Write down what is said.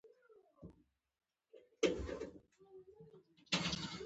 کلکته د کلتور مرکز دی.